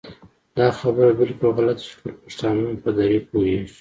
دا خبره بالکل غلطه ده چې ټول پښتانه په دري پوهېږي